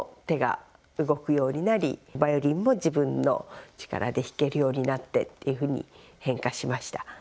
バイオリンも自分の力で弾けるようになってっていうふうに変化しました。